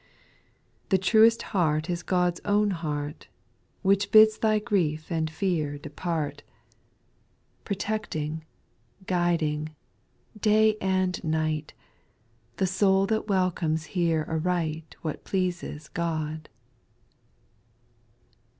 S. The truest heart is God^s ovjn \iea.T\., Which bids thy grief and feat Oic^a\\ SPIRITUAL SONGS. 237 Protecting, guiding, day and night, The soul that welcomes here aright What pleases God.